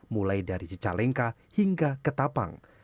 mulai dari cicalengka hingga ketapang